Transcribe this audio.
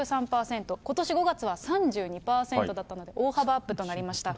ことし５月は３２％だったので、大幅アップとなりました。